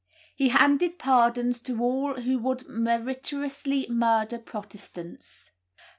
He handed pardons to all who would meritoriously murder Protestants.